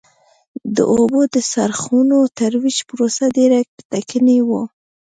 د اوبو د څرخونو ترویج پروسه ډېره ټکنۍ وه.